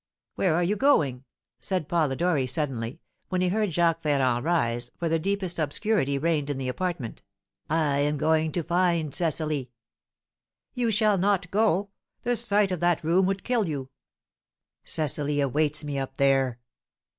"Where are you going?" said Polidori, suddenly, when he heard Jacques Ferrand rise, for the deepest obscurity reigned in the apartment. "I am going to find Cecily!" "You shall not go; the sight of that room would kill you!" "Cecily awaits me up there!"